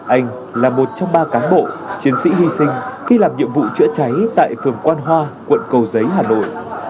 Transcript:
anh là một trong ba cán bộ chiến sĩ hy sinh khi làm nhiệm vụ chữa cháy tại phường quan hoa quận cầu giấy hà nội